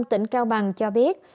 tỉnh cao bằng cho biết